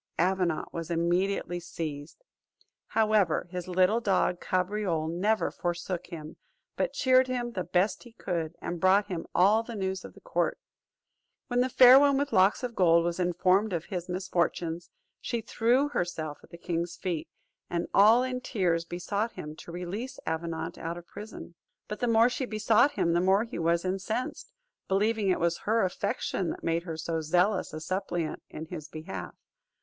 Avenant was immediately seized. However, his little dog Cabriole never forsook him, but cheered him the best he could, and brought him all the news of the court. When the Fair One with Locks of Gold was informed of his misfortunes, she threw herself at the king's feet, and all in tears besought him to release Avenant out of prison. But the more she besought him the more he was incensed, believing it was her affection that made her so zealous a suppliant in his behalf.